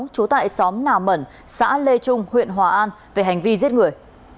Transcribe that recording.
trú tại xóm nà mẩn xã lê trung huyện hòa an về hành vi giết người